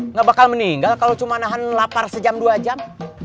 nggak bakal meninggal kalau cuma nahan lapar sejam dua jam